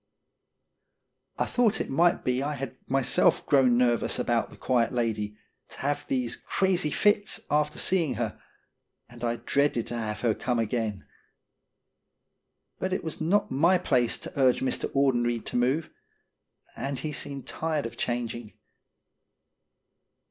I thought it might be I had myself grown nervous about the quiet lady, to have these crazy fits after seeing her, and I dreaded to have her come again. But it was not my place to urge Mr. Audenried to move, and he seemed tired of changing.